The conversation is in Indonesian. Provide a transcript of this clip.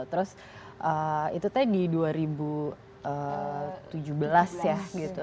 terus itu tadi dua ribu tujuh belas ya gitu